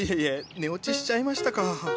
寝落ちしちゃいましたか！